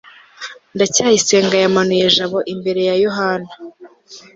ndacyayisenga yamanuye jabo imbere ya yohana